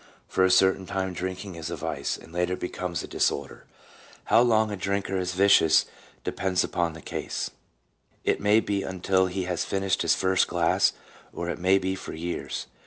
For a certain time drinking is a vice, and later becomes a disorder. How long a drinker is vicious depends upon the case. It may be until he has finished his first glass, or it may be for years.